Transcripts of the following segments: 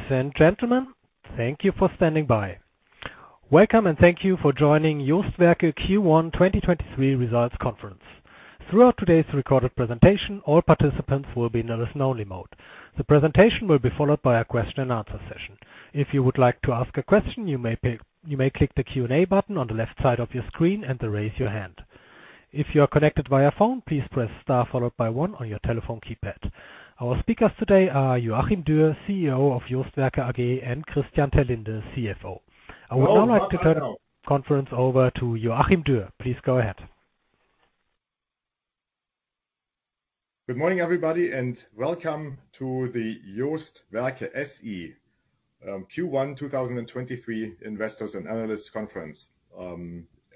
Ladies and gentlemen, thank you for standing by. Welcome and thank you for joining JOST Werke Q1 2023 results conference. Throughout today's recorded presentation, all participants will be in a listen-only mode. The presentation will be followed by a question and answer session. If you would like to ask a question, you may click the Q&A button on the left side of your screen and then raise your hand. If you are connected via phone, please press star followed by one on your telephone keypad. Our speakers today are Joachim Dürr, CEO of JOST Werke SE, and Christian Terlinde, CFO. I would now like to turn the conference over to Joachim Dürr. Please go ahead. Good morning, everybody, welcome to the JOST Werke SE Q1 2023 Investors and Analysts Conference.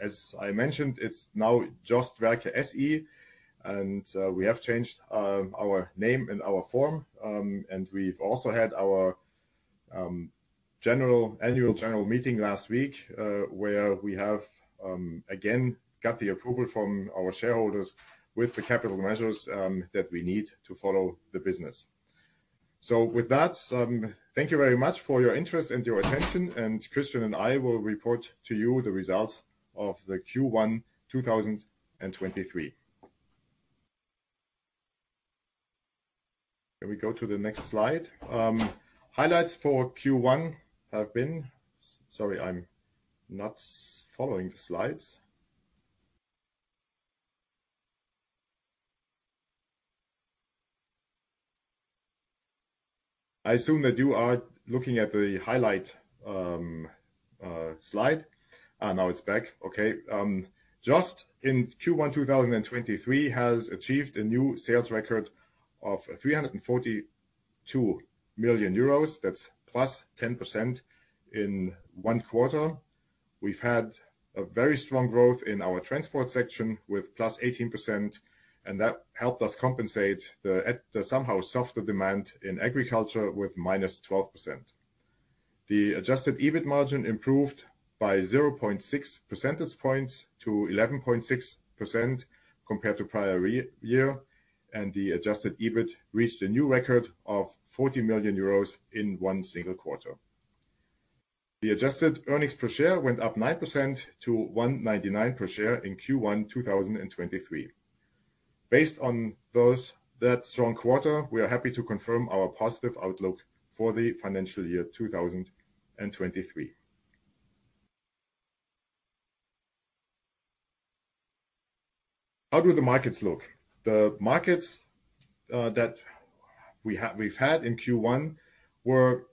As I mentioned, it's now JOST Werke SE, we have changed our name and our form. We've also had our annual general meeting last week, where we have again got the approval from our shareholders with the capital measures that we need to follow the business. With that, thank you very much for your interest and your attention, Christian and I will report to you the results of the Q1 2023. Can we go to the next slide? Highlights for Q1 have been... Sorry, I'm not following the slides. I assume that you are looking at the highlight slide. Now it's back. Okay. JOST in Q1 2023 has achieved a new sales record of 342 million euros. That's +10% in one quarter. We've had a very strong growth in our transport section with +18%, and that helped us compensate the somehow softer demand in agriculture with -12%. The adjusted EBIT margin improved by 0.6 percentage points to 11.6% compared to prior re-year, and the adjusted EBIT reached a new record of 40 million euros in one single quarter. The adjusted earnings per share went up 9% to 1.99 per share in Q1 2023. Based on that strong quarter, we are happy to confirm our positive outlook for the financial year 2023. How do the markets look? The markets that we've had in Q1 were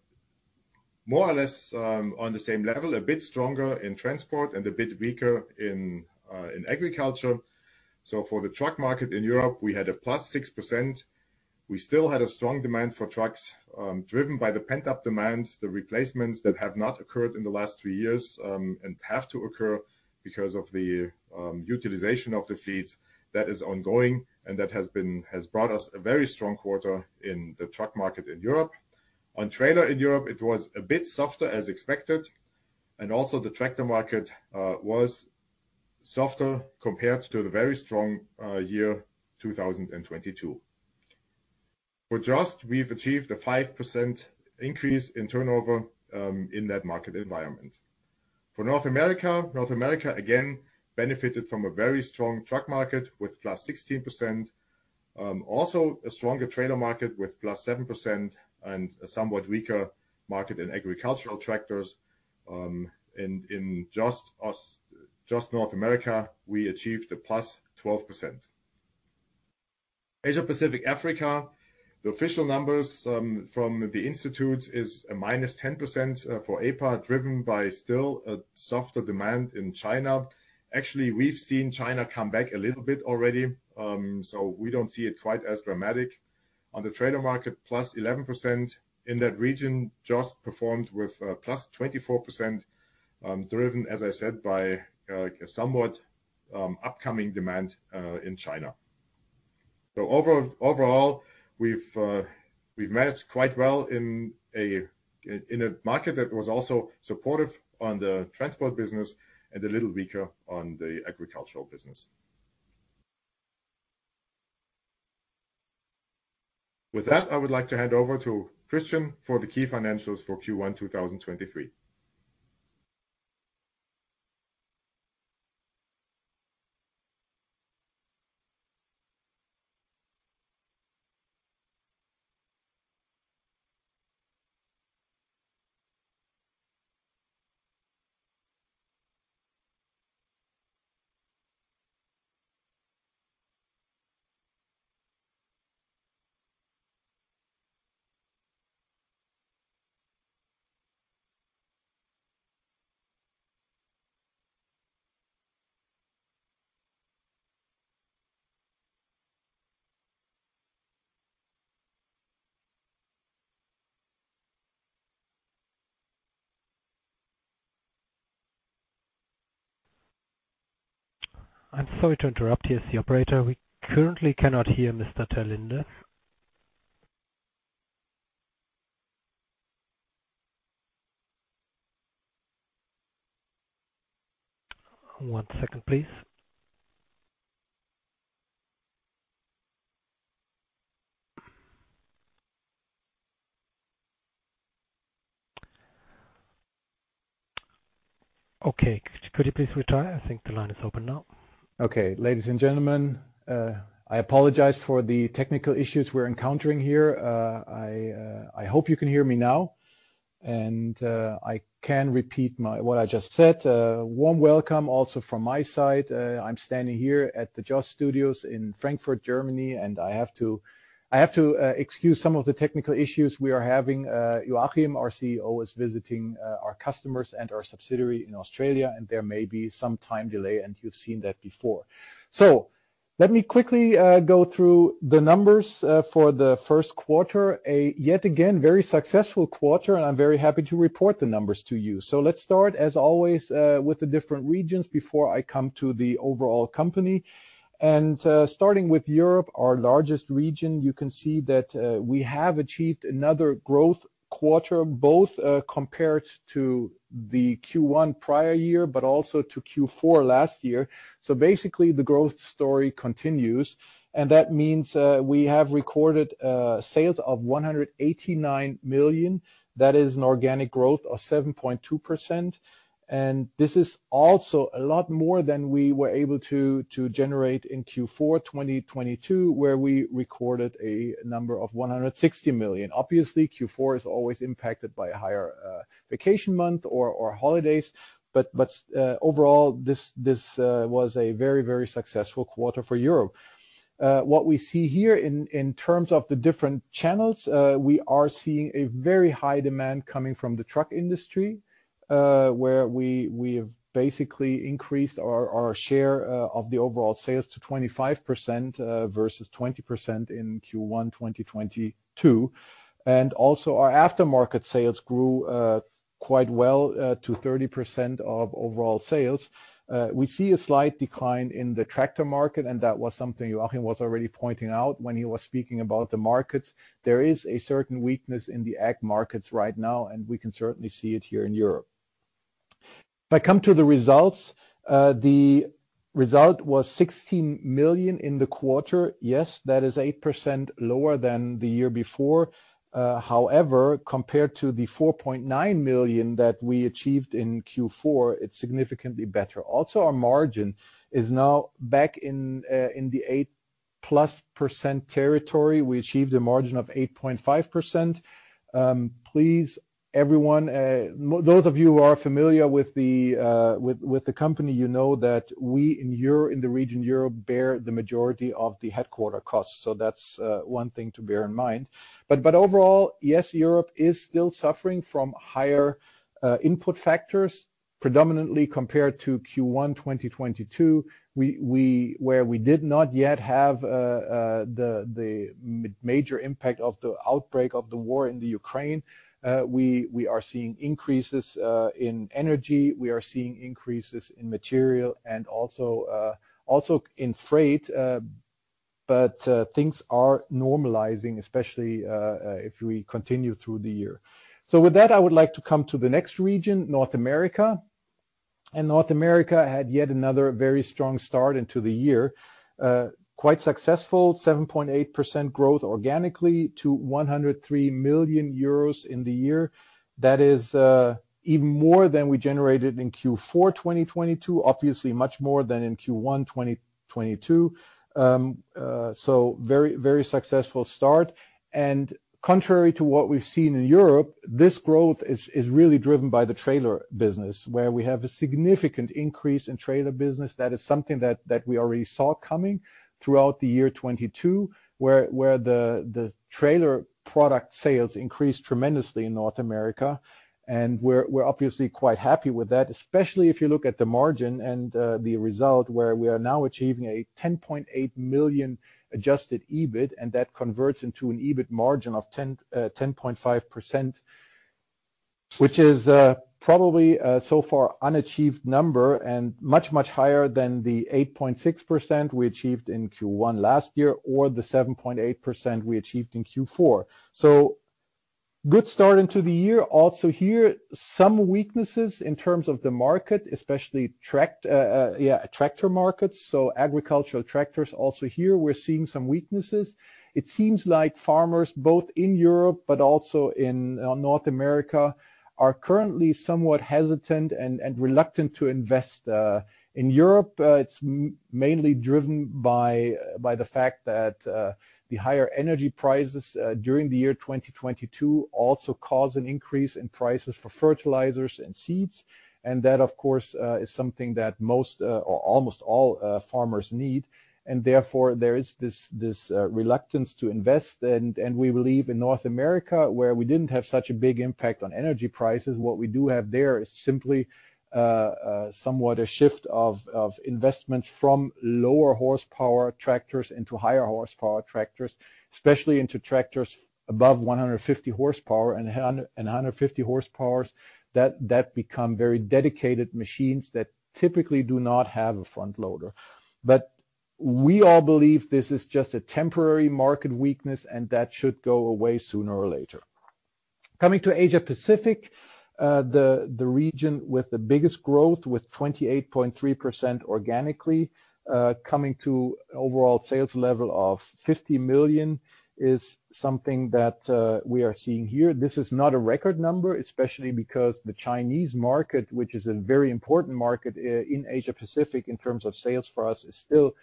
more or less on the same level, a bit stronger in transport and a bit weaker in agriculture. For the truck market in Europe, we had a +6%. We still had a strong demand for trucks, driven by the pent-up demand, the replacements that have not occurred in the last three years, and have to occur because of the utilization of the fleets that is ongoing and that has brought us a very strong quarter in the truck market in Europe. On trailer in Europe, it was a bit softer as expected, and also the tractor market was softer compared to the very strong year 2022. For JOST, we've achieved a 5% increase in turnover in that market environment. For North America, North America again benefited from a very strong truck market with +16%. Also a stronger trailer market with +7% and a somewhat weaker market in agricultural tractors. In JOST North America, we achieved a +12%. Asia-Pacific Africa, the official numbers from the institutes is a -10% for APA, driven by still a softer demand in China. We've seen China come back a little bit already, so we don't see it quite as dramatic. On the trailer market, +11%. In that region, JOST performed with +24%, driven, as I said, by a somewhat upcoming demand in China. Overall, we've managed quite well in a market that was also supportive on the transport business and a little weaker on the agricultural business. With that, I would like to hand over to Christian for the key financials for Q1 2023. I'm sorry to interrupt. Here's the operator. We currently cannot hear Mr. Terlinde. One second, please. Okay. Could you please retry? I think the line is open now. Ladies and gentlemen, I apologize for the technical issues we're encountering here. I hope you can hear me now, and I can repeat what I just said. A warm welcome also from my side. I'm standing here at the JOST Studios in Frankfurt, Germany, and I have to excuse some of the technical issues we are having. Joachim, our CEO, is visiting our customers and our subsidiary in Australia, and there may be some time delay, and you've seen that before. Let me quickly go through the numbers for the first quarter. Yet again, very successful quarter, and I'm very happy to report the numbers to you. Let's start, as always, with the different regions before I come to the overall company. Starting with Europe, our largest region, you can see that we have achieved another growth quarter, both compared to the Q1 prior year but also to Q4 last year. Basically, the growth story continues, and that means we have recorded sales of 189 million. That is an organic growth of 7.2%. This is also a lot more than we were able to generate in Q4 2022, where we recorded a number of 160 million. Obviously, Q4 is always impacted by a higher vacation month or holidays, but overall, this was a very successful quarter for Europe. What we see here in terms of the different channels, we are seeing a very high demand coming from the truck industry, where we have basically increased our share, of the overall sales to 25%, versus 20% in Q1 2022. Our aftermarket sales grew, quite well, to 30% of overall sales. We see a slight decline in the tractor market, and that was something Joachim was already pointing out when he was speaking about the markets. There is a certain weakness in the ag markets right now, and we can certainly see it here in Europe. If I come to the results, the result was 16 million in the quarter. Yes, that is 8% lower than the year before. However, compared to the 4.9 million that we achieved in Q4, it's significantly better. Also, our margin is now back in the 8%+ territory. We achieved a margin of 8.5%. Please, everyone, those of you who are familiar with the company, you know that we in the region Europe bear the majority of the headquarter costs. That's one thing to bear in mind. Overall, yes, Europe is still suffering from higher input factors, predominantly compared to Q1 2022, where we did not yet have the major impact of the outbreak of the war in the Ukraine. We are seeing increases in energy, we are seeing increases in material, and also in freight, but things are normalizing, especially if we continue through the year. With that, I would like to come to the next region, North America. North America had yet another very strong start into the year. Quite successful, 7.8% growth organically to 103 million euros in the year. That is even more than we generated in Q4 2022. Obviously, much more than in Q1 2022. So very successful start. Contrary to what we've seen in Europe, this growth is really driven by the trailer business, where we have a significant increase in trailer business. That is something that we already saw coming throughout the year 2022, where the trailer product sales increased tremendously in JOST North America. We're obviously quite happy with that, especially if you look at the margin and the result where we are now achieving a 10.8 million adjusted EBIT, and that converts into an EBIT margin of 10.5%, which is probably so far unachieved number and much, much higher than the 8.6% we achieved in Q1 last year or the 7.8% we achieved in Q4. Good start into the year. Also here, some weaknesses in terms of the market, especially tractor markets. Agricultural tractors also here, we're seeing some weaknesses. It seems like farmers, both in Europe but also in North America, are currently somewhat hesitant and reluctant to invest. In Europe, it's mainly driven by the fact that the higher energy prices during the year 2022 also caused an increase in prices for fertilizers and seeds. That, of course, is something that most or almost all farmers need. Therefore, there is this reluctance to invest. We believe in North America, where we didn't have such a big impact on energy prices, what we do have there is simply somewhat a shift of investments from lower horsepower tractors into higher horsepower tractors, especially into tractors above 150 horsepower and 150 horsepowers that become very dedicated machines that typically do not have a front loader. We all believe this is just a temporary market weakness, and that should go away sooner or later. Coming to Asia Pacific, the region with the biggest growth, with 28.3% organically, coming to overall sales level of 50 million, is something that we are seeing here. This is not a record number, especially because the Chinese market, which is a very important market in Asia Pacific in terms of sales for us, is still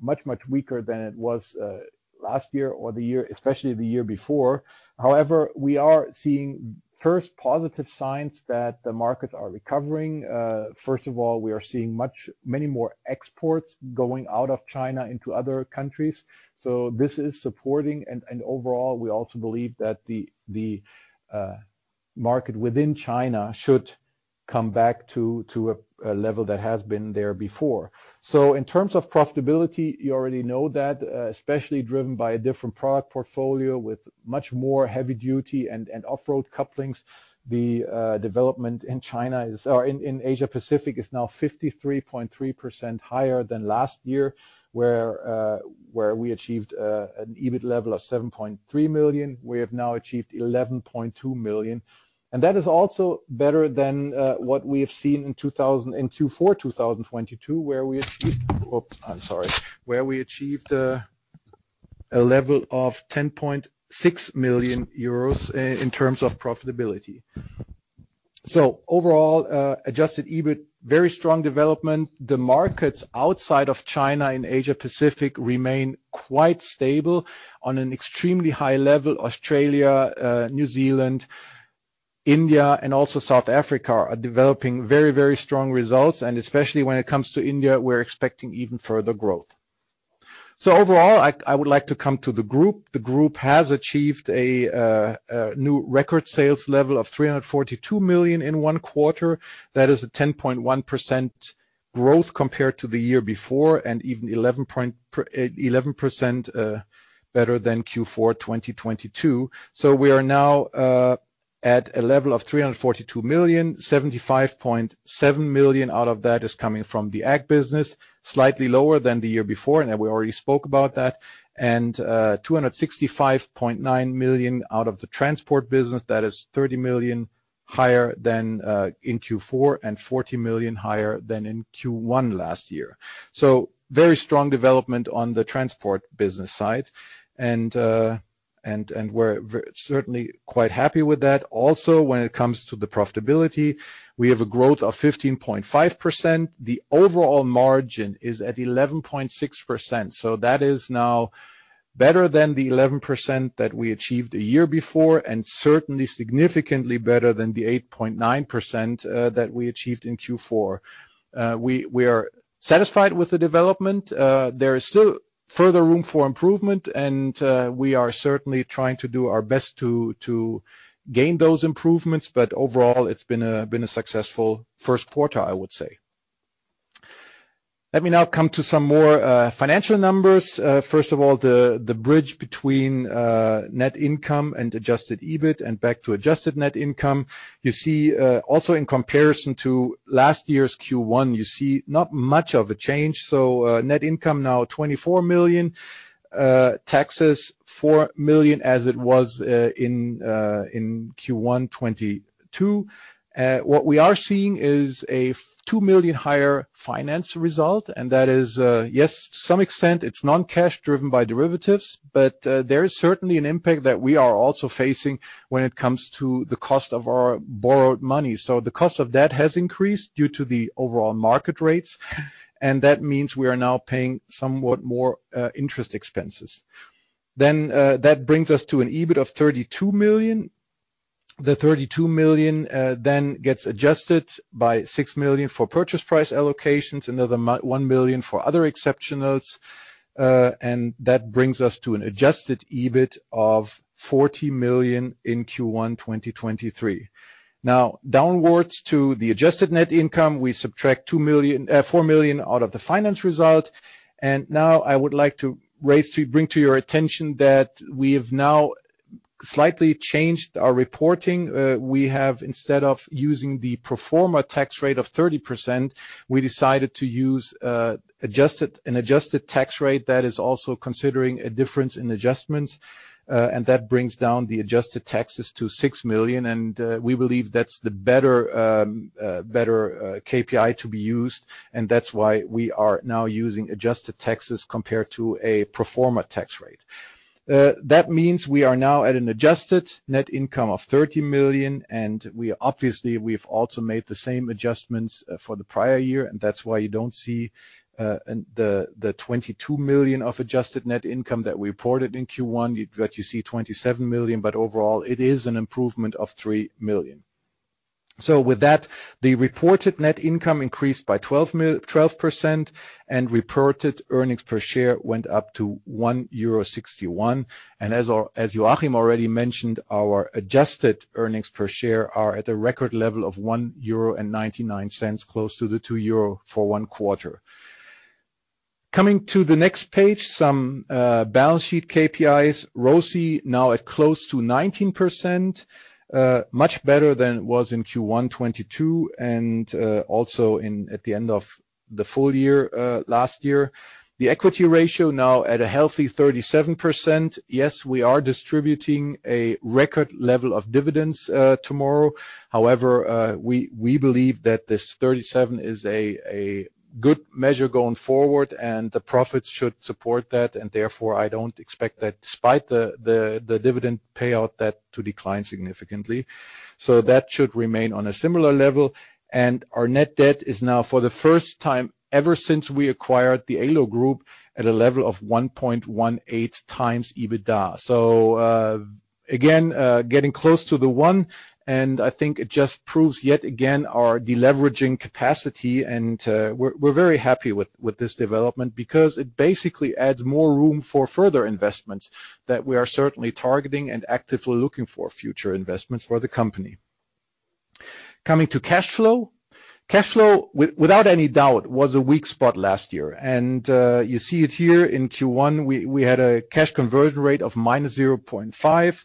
much, much weaker than it was last year or especially the year before. We are seeing first positive signs that the markets are recovering. First of all, we are seeing many more exports going out of China into other countries. This is supporting and overall, we also believe that the market within China should come back to a level that has been there before. In terms of profitability, you already know that, especially driven by a different product portfolio with much more heavy-duty and off-road couplings. The development in China or in Asia Pacific is now 53.3% higher than last year, where we achieved an EBIT level of 7.3 million, we have now achieved 11.2 million. That is also better than what we have seen in 2022, where we achieved Oops, I'm sorry. Where we achieved a level of 10.6 million euros in terms of profitability. Overall, adjusted EBIT, very strong development. The markets outside of China and Asia Pacific remain quite stable on an extremely high level. Australia, New Zealand, India, and also South Africa are developing very strong results. Especially when it comes to India, we're expecting even further growth. Overall, I would like to come to the group. The group has achieved a new record sales level of 342 million in 1 quarter. That is a 10.1% growth compared to the year before, even 11% better than Q4 2022. We are now at a level of 342 million. 75.7 million out of that is coming from the ag business, slightly lower than the year before, and we already spoke about that. 265.9 million out of the transport business. That is 30 million higher than in Q4 and 40 million higher than in Q1 last year. Very strong development on the transport business side. We're certainly quite happy with that. Also, when it comes to the profitability, we have a growth of 15.5%. The overall margin is at 11.6%, so that is now better than the 11% that we achieved a year before, and certainly significantly better than the 8.9% that we achieved in Q4. We are satisfied with the development. There is still further room for improvement, and we are certainly trying to do our best to gain those improvements. Overall, it's been a successful first quarter, I would say. Let me now come to some more financial numbers. First of all, the bridge between net income and adjusted EBIT and back to adjusted net income. You see, also in comparison to last year's Q1, you see not much of a change. Net income now 24 million, taxes 4 million as it was in Q1 2022. What we are seeing is a 2 million higher finance result, and that is, yes, to some extent it's non-cash driven by derivatives, but there is certainly an impact that we are also facing when it comes to the cost of our borrowed money. The cost of debt has increased due to the overall market rates, and that means we are now paying somewhat more interest expenses. That brings us to an EBIT of 32 million. The 32 million then gets adjusted by 6 million for purchase price allocations, another 1 million for other exceptionals. That brings us to an adjusted EBIT of 40 million in Q1 2023. Now downwards to the adjusted net income, we subtract 4 million out of the finance result. Now I would like to bring to your attention that we have now slightly changed our reporting. We have, instead of using the pro forma tax rate of 30%, we decided to use an adjusted tax rate that is also considering a difference in adjustments. That brings down the adjusted taxes to 6 million, and we believe that's the better KPI to be used, and that's why we are now using adjusted taxes compared to a pro forma tax rate. That means we are now at an adjusted net income of 30 million, and obviously, we've also made the same adjustments for the prior year, and that's why you don't see the 22 million of adjusted net income that we reported in Q1. What you see 27 million, but overall, it is an improvement of 3 million. With that, the reported net income increased by 12%, and reported earnings per share went up to 1.61 euro. As Joachim already mentioned, our adjusted earnings per share are at a record level of 1.99 euro, close to the 2 euro for one quarter. Coming to the next page, some balance sheet KPIs. ROCE now at close to 19%, much better than it was in Q1 2022 and also at the end of the full year last year. The equity ratio now at a healthy 37%. Yes, we are distributing a record level of dividends tomorrow. We believe that this 37 is a good measure going forward and the profits should support that. Therefore I don't expect that despite the dividend payout, that to decline significantly. That should remain on a similar level. Our net debt is now for the first time ever since we acquired the Ålö Group at a level of 1.18x EBITDA. Again, getting close to the one, I think it just proves yet again our deleveraging capacity, we're very happy with this development because it basically adds more room for further investments that we are certainly targeting and actively looking for future investments for the company. Coming to cash flow. Cash flow without any doubt was a weak spot last year. You see it here in Q1, we had a cash conversion rate of -0.5,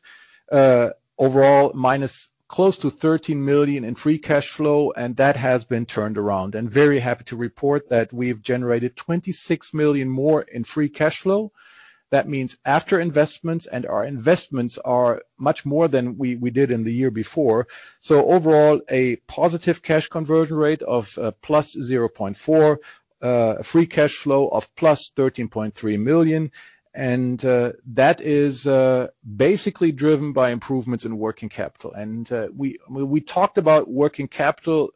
overall minus close to 13 million in free cash flow, that has been turned around. Very happy to report that we've generated 26 million more in free cash flow. That means after investments, our investments are much more than we did in the year before. Overall, a positive cash conversion rate of +0.4, a free cash flow of +13.3 million. That is basically driven by improvements in working capital. We talked about working capital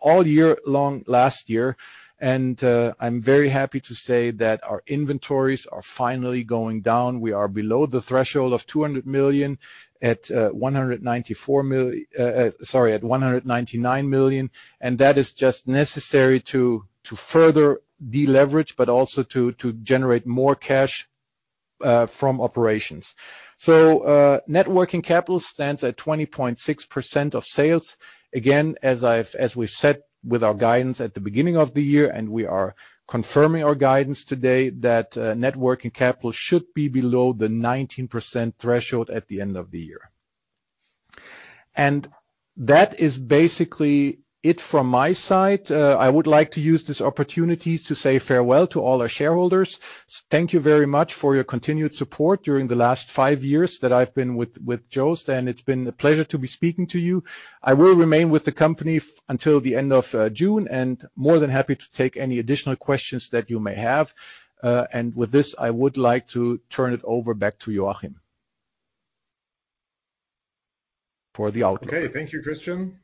all year long last year. I'm very happy to say that our inventories are finally going down. We are below the threshold of 200 million at 199 million. That is just necessary to further deleverage, but also to generate more cash from operations. Net working capital stands at 20.6% of sales. Again, as we've said with our guidance at the beginning of the year, and we are confirming our guidance today, that net working capital should be below the 19% threshold at the end of the year. That is basically it from my side. I would like to use this opportunity to say farewell to all our shareholders. Thank you very much for your continued support during the last five years that I've been with JOST, and it's been a pleasure to be speaking to you. I will remain with the company until the end of June, and more than happy to take any additional questions that you may have. With this, I would like to turn it over back to Joachim for the outlook. Okay. Thank you, Christian.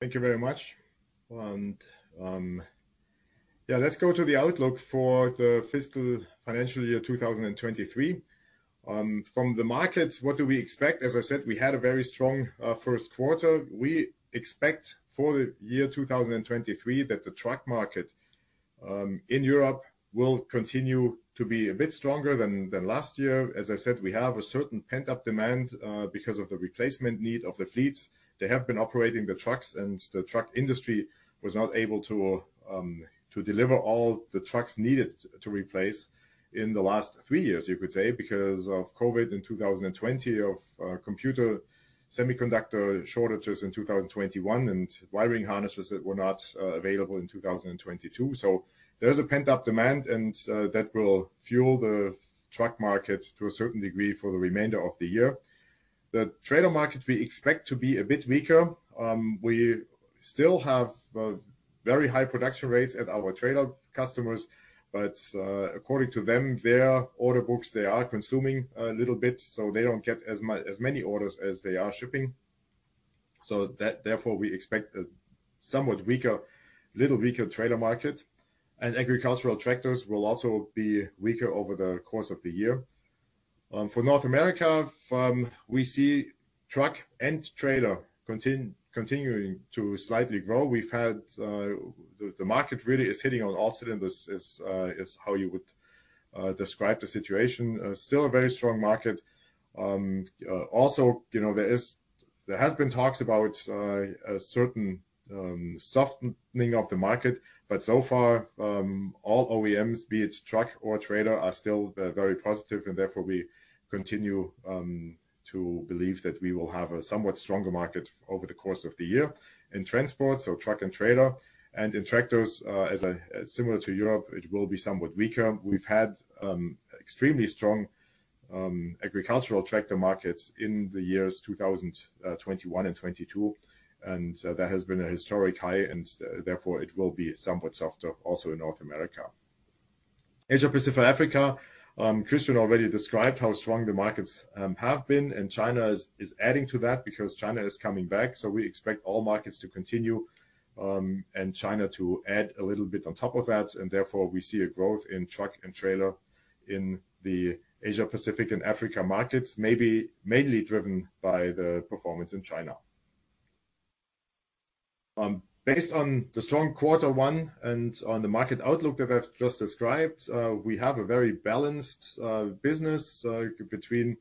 Thank you very much. Let's go to the outlook for the fiscal financial year 2023. From the markets, what do we expect? As I said, we had a very strong first quarter. We expect for the year 2023 that the truck market in Europe will continue to be a bit stronger than last year. As I said, we have a certain pent-up demand because of the replacement need of the fleets. They have been operating the trucks. The truck industry was not able to deliver all the trucks needed to replace in the last three years, you could say, because of COVID in 2020, of computer semiconductor shortages in 2021, and wiring harnesses that were not available in 2022. There's a pent-up demand that will fuel the truck market to a certain degree for the remainder of the year. The trailer market we expect to be a bit weaker. We still have very high production rates at our trailer customers. According to them, their order books, they are consuming a little bit. They don't get as many orders as they are shipping. Therefore, we expect a somewhat weaker, little weaker trailer market. Agricultural tractors will also be weaker over the course of the year. For North America, we see truck and trailer continuing to slightly grow. We've had, the market really is hitting on all cylinders is how you would describe the situation. Still a very strong market. Also, you know, there has been talks about a certain softening of the market. So far, all OEMs, be it truck or trailer, are still very positive, and therefore we continue to believe that we will have a somewhat stronger market over the course of the year. In transport, so truck and trailer, and in tractors, as I similar to Europe, it will be somewhat weaker. We've had extremely strong agricultural tractor markets in the years 2021 and 2022, that has been a historic high and therefore it will be somewhat softer also in North America. Asia-Pacific, Africa, Christian Terlinde already described how strong the markets have been, China is adding to that because China is coming back. We expect all markets to continue, China to add a little bit on top of that, we see a growth in truck and trailer in the Asia-Pacific and Africa markets, maybe mainly driven by the performance in China. Based on the strong Q1 and on the market outlook that I've just described, we have a very balanced business between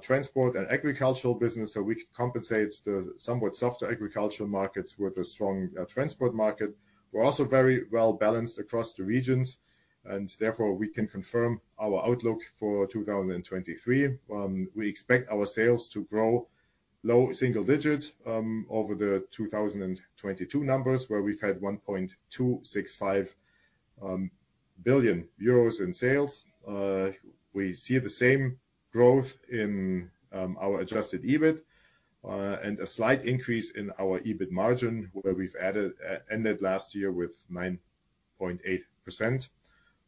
transport and agricultural business, we compensate the somewhat softer agricultural markets with a strong transport market. We're also very well-balanced across the regions, and therefore we can confirm our outlook for 2023. We expect our sales to grow low single digit over the 2022 numbers where we've had 1.265 billion euros in sales. We see the same growth in our adjusted EBIT and a slight increase in our EBIT margin, where we've ended last year with 9.8%.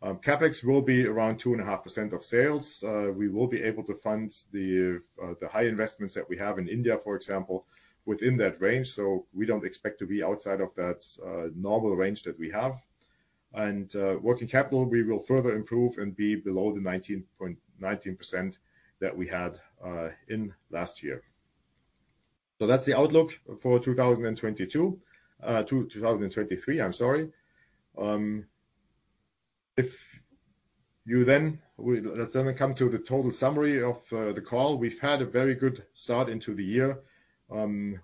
CapEx will be around 2.5% of sales. We will be able to fund the high investments that we have in India, for example, within that range. We don't expect to be outside of that normal range that we have. Working capital, we will further improve and be below the 19% that we had in last year. That's the outlook for 2022, 2023, I'm sorry. Let's then come to the total summary of the call. We've had a very good start into the year.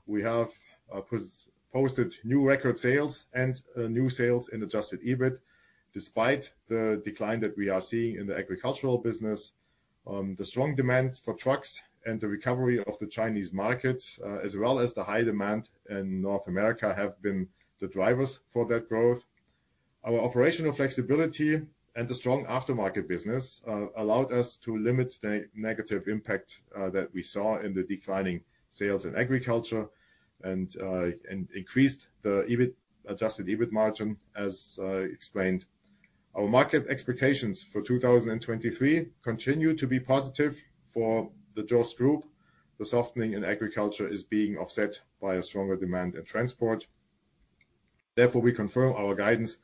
We have posted new record sales and new sales in adjusted EBIT, despite the decline that we are seeing in the agricultural business. The strong demand for trucks and the recovery of the Chinese market, as well as the high demand in North America, have been the drivers for that growth. Our operational flexibility and the strong aftermarket business allowed us to limit the negative impact that we saw in the declining sales in agriculture and increased the adjusted EBIT margin, as explained. Our market expectations for 2023 continue to be positive for the JOST Group. The softening in agriculture is being offset by a stronger demand in transport. We confirm our guidance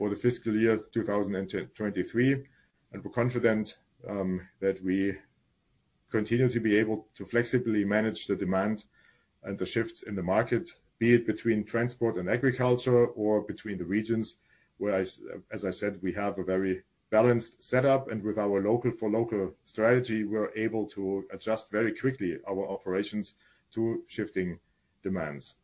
for the fiscal year 2023, and we're confident that we continue to be able to flexibly manage the demand and the shifts in the market, be it between transport and agriculture or between the regions, where as I said, we have a very balanced setup, and with our local for local strategy, we're able to adjust very quickly our operations to shifting demands.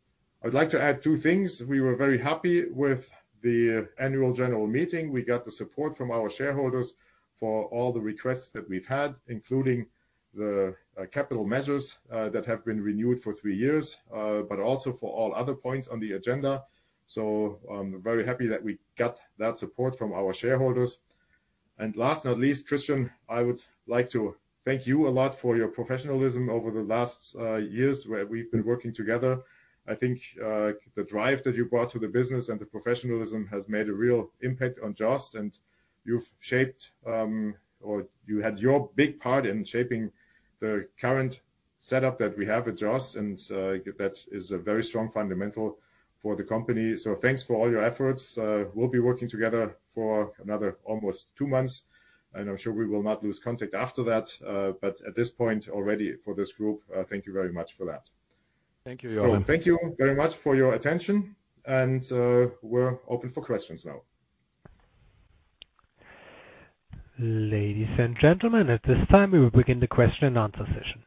I'd like to add two things. We were very happy with the annual general meeting. We got the support from our shareholders for all the requests that we've had, including the capital measures that have been renewed for three years, but also for all other points on the agenda. I'm very happy that we got that support from our shareholders. Last not least, Christian, I would like to thank you a lot for your professionalism over the last years where we've been working together. I think the drive that you brought to the business and the professionalism has made a real impact on JOST, and you've shaped, or you had your big part in shaping the current setup that we have at JOST, and that is a very strong fundamental for the company. Thanks for all your efforts. We'll be working together for another almost two months, and I'm sure we will not lose contact after that. At this point already for this group, thank you very much for that. Thank you, Joachim. Thank you very much for your attention. We're open for questions now. Ladies and gentlemen, at this time, we will begin the question and answer session.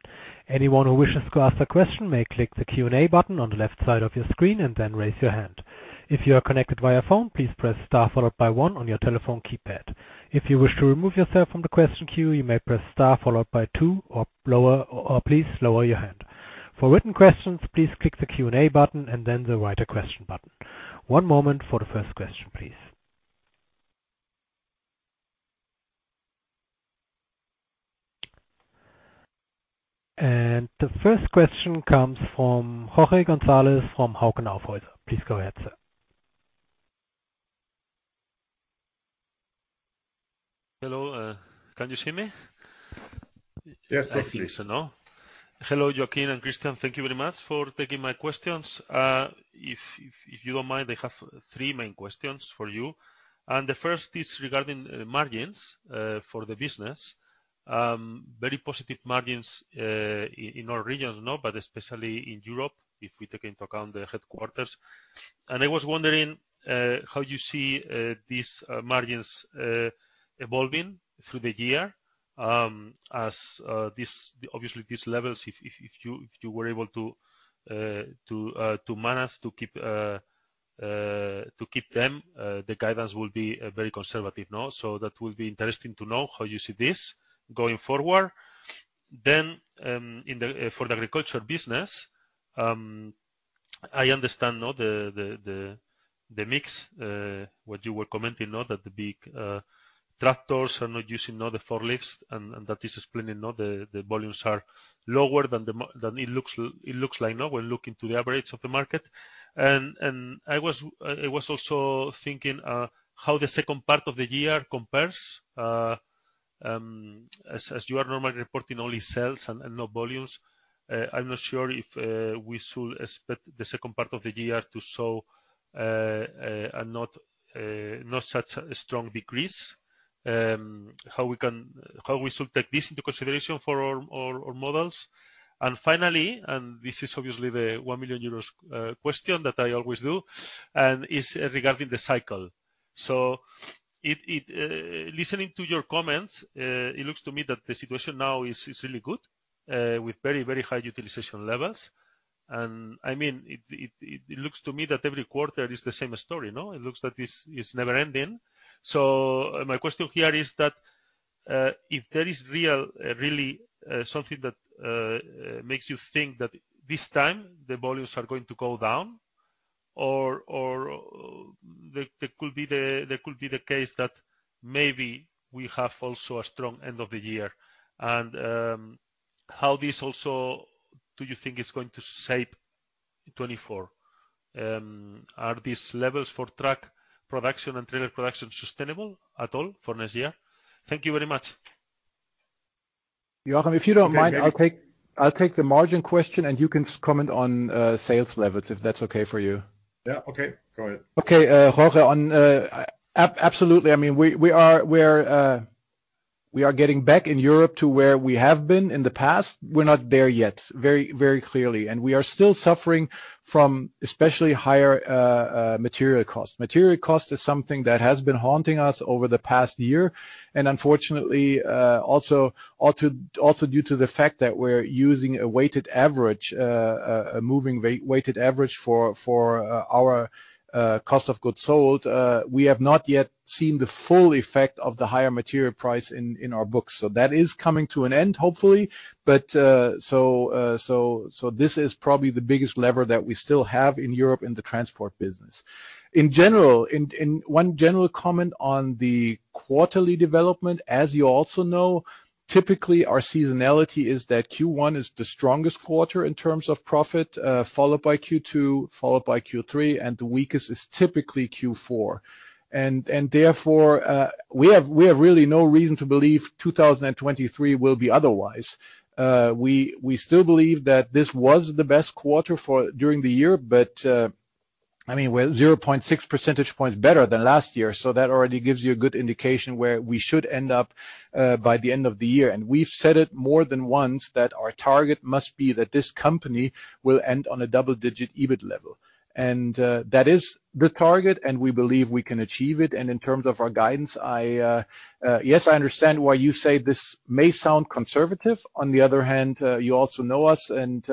Anyone who wishes to ask a question may click the Q&A button on the left side of your screen and then raise your hand. If you are connected via phone, please press star followed by one on your telephone keypad. If you wish to remove yourself from the question queue, you may press star followed by two or lower, or please lower your hand. For written questions, please click the Q&A button and then the Write a Question button. One moment for the first question, please. The first question comes from Jorge Gonzalez from Hauck & Aufhäuser. Please go ahead, sir. Hello, can you hear me? Yes, perfect. I think so, no? Hello, Joachim and Christian. Thank you very much for taking my questions. If you don't mind, I have three main questions for you. The first is regarding margins for the business. Very positive margins in all regions, no? Especially in Europe, if we take into account the headquarters. I was wondering how you see these margins evolving through the year, as obviously these levels, if you were able to manage, to keep them, the guidance will be very conservative, no? That will be interesting to know how you see this going forward. For the agriculture business, I understand, no, the mix, what you were commenting, no, that the big tractors are not using, no, the forklifts, and that is explaining, no, the volumes are lower than it looks like now when looking to the average of the market. I was also thinking how the second part of the year compares, as you are normally reporting only sales and no volumes. I'm not sure if we should expect the second part of the year to show a not such a strong decrease. How we should take this into consideration for our models? Finally, this is obviously the 1 million euros question that I always do, and is regarding the cycle. Listening to your comments, it looks to me that the situation now is really good with very, very high utilization levels. I mean, it looks to me that every quarter is the same story, no? It looks like this is never ending. My question here is that if there is really something that makes you think that this time the volumes are going to go down or there could be the case that maybe we have also a strong end of the year. How this also do you think is going to shape 2024? Are these levels for truck production and trailer production sustainable at all for next year? Thank you very much. Joachim, if you don't mind, I'll take the margin question, and you can comment on sales levels, if that's okay for you. Yeah. Okay. Go ahead. Okay. Jorge, on absolutely. I mean, we are getting back in Europe to where we have been in the past. We're not there yet, very clearly. We are still suffering from especially higher material costs. Material cost is something that has been haunting us over the past year, unfortunately, also due to the fact that we're using a weighted average, a moving weighted average for our cost of goods sold, we have not yet seen the full effect of the higher material price in our books. That is coming to an end, hopefully. This is probably the biggest lever that we still have in Europe in the transport business. In general, in one general comment on the quarterly development, as you also know, typically our seasonality is that Q1 is the strongest quarter in terms of profit, followed by Q2, followed by Q3, and the weakest is typically Q4. Therefore, we have really no reason to believe 2023 will be otherwise. We still believe that this was the best quarter during the year, but, I mean, we're 0.6 percentage points better than last year, so that already gives you a good indication where we should end up by the end of the year. We've said it more than once that our target must be that this company will end on a double-digit EBIT level. That is the target, and we believe we can achieve it. In terms of our guidance, I, yes, I understand why you say this may sound conservative. On the other hand, you also know us and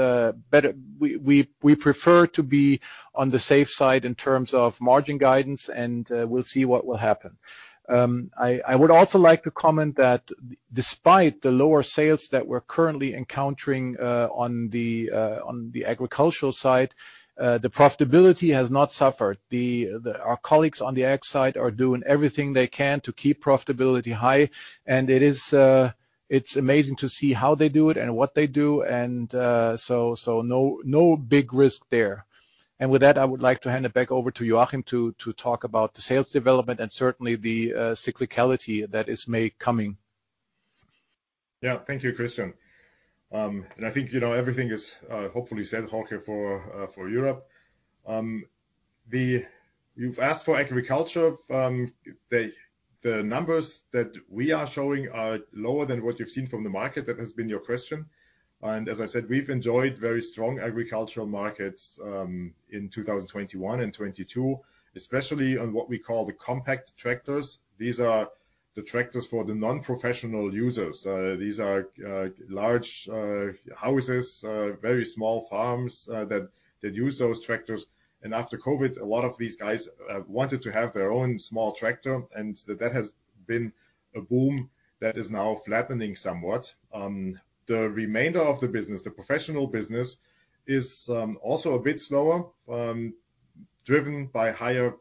better. We prefer to be on the safe side in terms of margin guidance, and we'll see what will happen. I would also like to comment that despite the lower sales that we're currently encountering on the agricultural side, the profitability has not suffered. Our colleagues on the ag side are doing everything they can to keep profitability high, and it is amazing to see how they do it and what they do, and so no big risk there. With that, I would like to hand it back over to Joachim to talk about the sales development and certainly the cyclicality that is may coming. Yeah. Thank you, Christian. I think, you know, everything is hopefully said, Jorge, for Europe. You've asked for agriculture. The numbers that we are showing are lower than what you've seen from the market. That has been your question. As I said, we've enjoyed very strong agricultural markets in 2021 and 2022, especially on what we call the compact tractors. These are the tractors for the non-professional users. These are large houses, very small farms that use those tractors. After COVID, a lot of these guys wanted to have their own small tractor, and that has been a boom that is now flattening somewhat. The remainder of the business, the professional business, is also a bit slower, driven by higher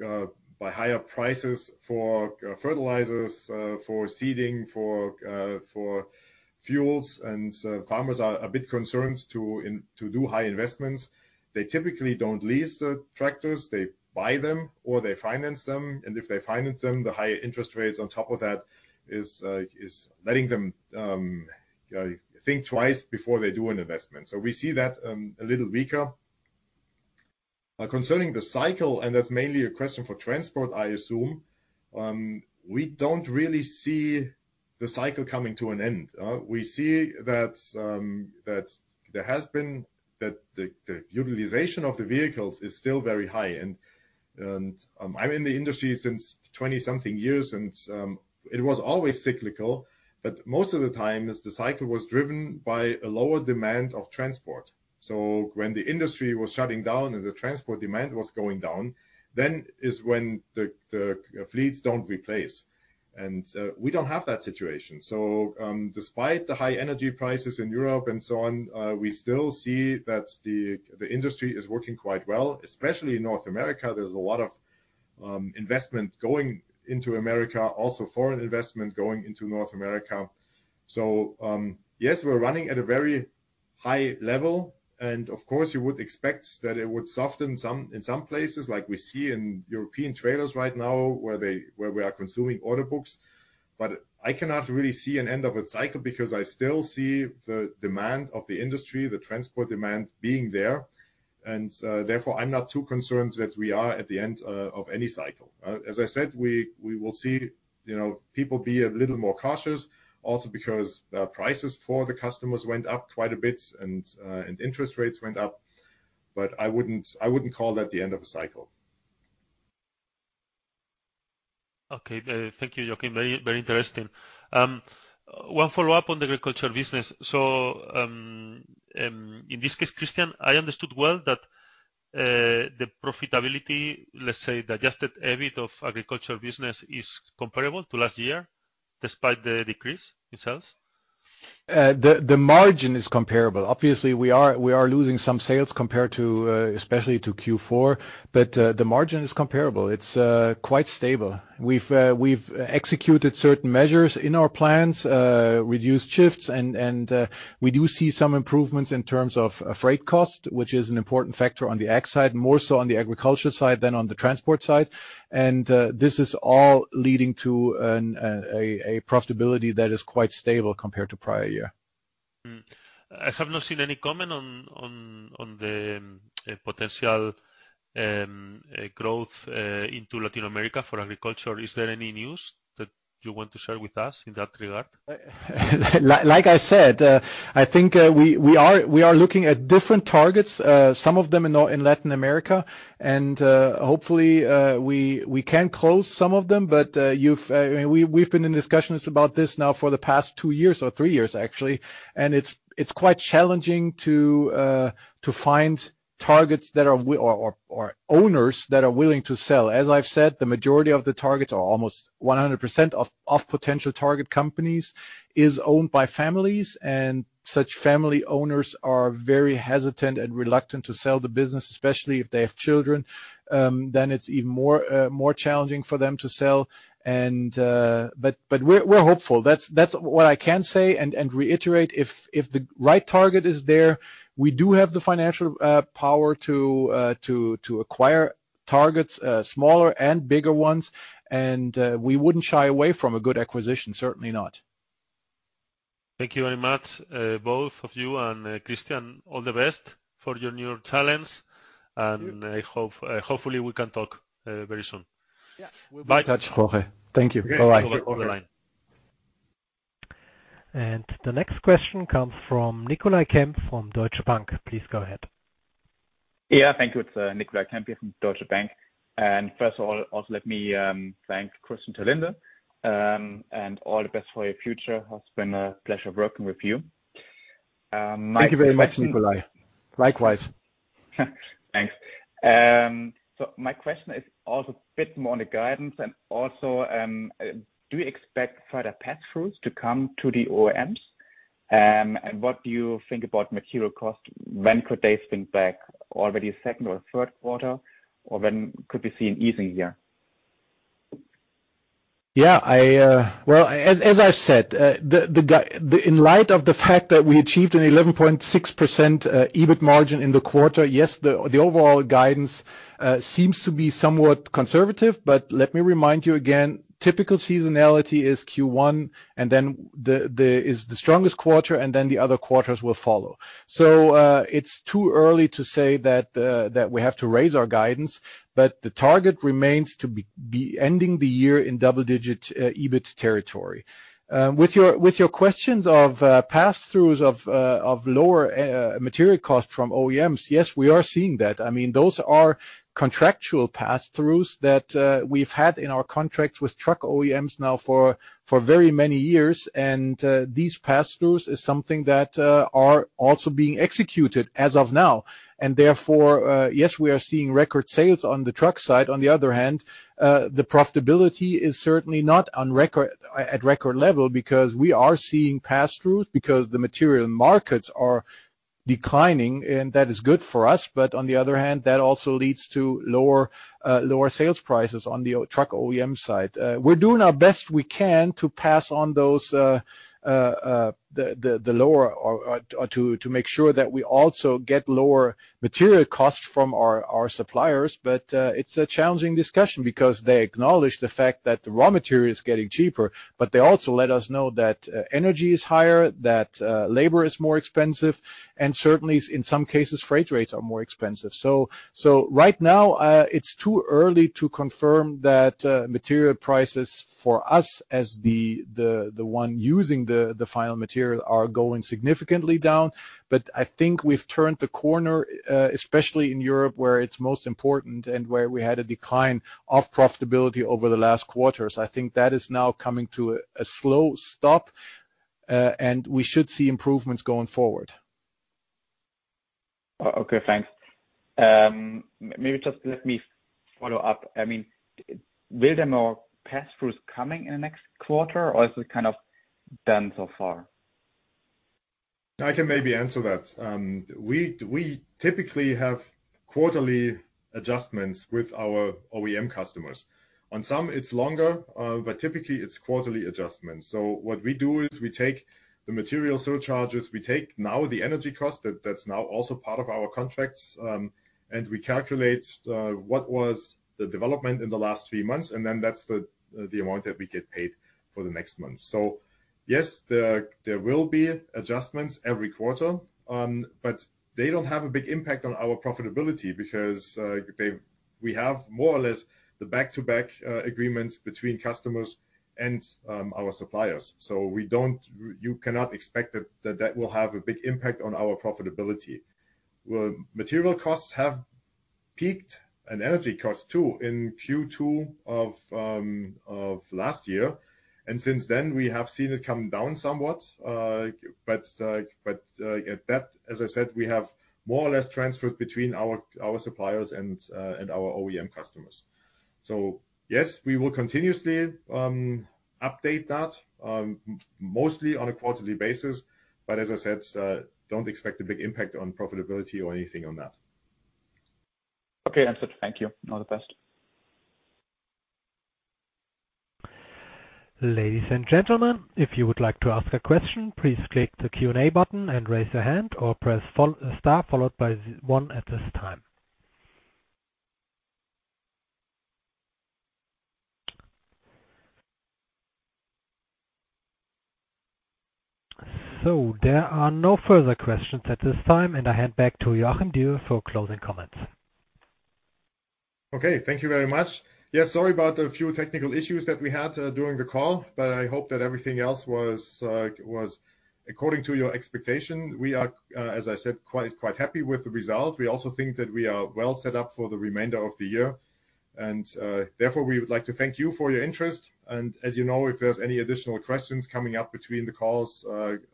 by higher prices for fertilizers, for seeding, for fuels. Farmers are a bit concerned to do high investments. They typically don't lease the tractors, they buy them or they finance them. If they finance them, the higher interest rates on top of that is letting them think twice before they do an investment. We see that a little weaker. Concerning the cycle, and that's mainly a question for transport, I assume, we don't really see the cycle coming to an end. We see that the utilization of the vehicles is still very high. I'm in the industry since 20-something years, it was always cyclical, but most of the time is the cycle was driven by a lower demand of transport. When the industry was shutting down and the transport demand was going down, then is when the fleets don't replace. We don't have that situation. Despite the high energy prices in Europe and so on, we still see that the industry is working quite well, especially in North America. There's a lot of investment going into America, also foreign investment going into North America. Yes, we're running at a very high level, and of course, you would expect that it would soften in some places, like we see in European trailers right now, where we are consuming order books. I cannot really see an end of a cycle because I still see the demand of the industry, the transport demand being there. Therefore, I'm not too concerned that we are at the end of any cycle. As I said, we will see, you know, people be a little more cautious also because prices for the customers went up quite a bit and interest rates went up. I wouldn't call that the end of a cycle. Okay. Thank you, Joachim. Very interesting. One follow-up on the agricultural business. In this case, Christian, I understood well that the profitability, let's say, the adjusted EBIT of agricultural business is comparable to last year despite the decrease in sales. The, the margin is comparable. Obviously, we are, we are losing some sales compared to, especially to Q4, but the margin is comparable. It's quite stable. We've executed certain measures in our plans, reduced shifts and we do see some improvements in terms of freight cost, which is an important factor on the ag side, more so on the agriculture side than on the transport side. This is all leading to a profitability that is quite stable compared to prior year. I have not seen any comment on the potential growth into Latin America for agriculture. Is there any news that you want to share with us in that regard? Like I said, I think we are looking at different targets, some of them in Latin America, and hopefully we can close some of them. You've, I mean, we've been in discussions about this now for the past two years, or three years actually, and it's quite challenging to find targets that are or owners that are willing to sell. As I've said, the majority of the targets are almost 100% of potential target companies is owned by families. Such family owners are very hesitant and reluctant to sell the business, especially if they have children. It's even more challenging for them to sell and. We're hopeful. That's what I can say and reiterate. If the right target is there, we do have the financial power to acquire targets, smaller and bigger ones, and we wouldn't shy away from a good acquisition, certainly not. Thank you very much, both of you. Christian, all the best for your new challenge. Thank you. I hope, hopefully we can talk, very soon. Yeah. We'll be in touch. Bye. Jorge. Thank you. Bye-bye. Okay. Over the line. The next question comes from Nicolai Kempf from Deutsche Bank. Please go ahead. Yeah, thank you. It's Nicolai Kempf here from Deutsche Bank. First of all, also, let me thank Christian Terlinde and all the best for your future. It has been a pleasure working with you. Thank you very much, Nicolai. Likewise. Thanks. My question is also a bit more on the guidance and also, do you expect further pass-throughs to come to the OEMs? What do you think about material costs? When could they spin back? Already second or third quarter, or when could we see an easing here? As I said, in light of the fact that we achieved an 11.6% EBIT margin in the quarter, yes, the overall guidance seems to be somewhat conservative. Let me remind you again, typical seasonality is Q1, and then the strongest quarter, and then the other quarters will follow. It's too early to say that we have to raise our guidance, the target remains to be ending the year in double-digit EBIT territory. With your questions of pass-throughs of lower material costs from OEMs, yes, we are seeing that. I mean, those are contractual pass-throughs that we've had in our contracts with truck OEMs now for very many years. These pass-throughs is something that are also being executed as of now. Therefore, yes, we are seeing record sales on the truck side. On the other hand, the profitability is certainly not on record at record level because we are seeing pass-throughs because the material markets are declining, and that is good for us. On the other hand, that also leads to lower lower sales prices on the truck OEM side. We're doing our best we can to pass on those the lower or to make sure that we also get lower material costs from our suppliers. It's a challenging discussion because they acknowledge the fact that the raw material is getting cheaper, but they also let us know that energy is higher, that labor is more expensive, and certainly, in some cases, freight rates are more expensive. Right now, it's too early to confirm that material prices for us as the one using the final material are going significantly down. I think we've turned the corner, especially in Europe, where it's most important and where we had a decline of profitability over the last quarters. I think that is now coming to a slow stop, and we should see improvements going forward. Okay, thanks. maybe just let me follow up. I mean, will there more pass-throughs coming in the next quarter, or is it kind of done so far? I can maybe answer that. We typically have quarterly adjustments with our OEM customers. On some, it's longer, but typically, it's quarterly adjustments. What we do is we take the material surcharges, we take now the energy cost that's now also part of our contracts, and we calculate what was the development in the last three months, and then that's the amount that we get paid for the next month. Yes, there will be adjustments every quarter, but they don't have a big impact on our profitability because we have more or less the back-to-back agreements between customers and our suppliers. You cannot expect that will have a big impact on our profitability. Material costs have peaked and energy costs too in Q2 of last year. Since then we have seen it come down somewhat. That, as I said, we have more or less transferred between our suppliers and our OEM customers. Yes, we will continuously update that mostly on a quarterly basis. As I said, don't expect a big impact on profitability or anything on that. Okay. Understood. Thank you. All the best. Ladies and gentlemen, if you would like to ask a question, please click the Q&A button and raise your hand or press star followed by one at this time. There are no further questions at this time, and I hand back to Romy Acosta for closing comments. Okay. Thank you very much. Yeah. Sorry about the few technical issues that we had during the call. I hope that everything else was according to your expectation. We are, as I said, quite happy with the result. We also think that we are well set up for the remainder of the year. Therefore, we would like to thank you for your interest. As you know, if there's any additional questions coming up between the calls,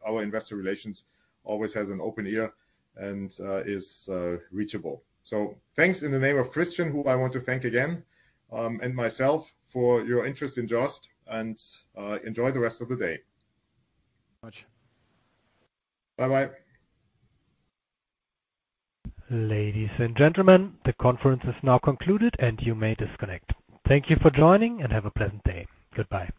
our investor relations always has an open ear and is reachable. Thanks in the name of Christian, who I want to thank again, and myself for your interest in JOST and enjoy the rest of the day. Much. Bye. Bye. Ladies and gentlemen, the conference is now concluded and you may disconnect. Thank you for joining, and have a pleasant day. Goodbye.